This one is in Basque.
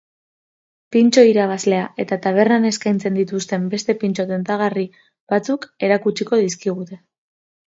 Pintxo irabazlea eta tabernan eskaintzen dituzten beste pintxo tentagarri batzuk erakutsiko dizkigute.